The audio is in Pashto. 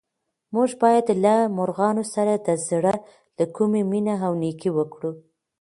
موږ باید له مرغانو سره د زړه له کومې مینه او نېکي وکړو.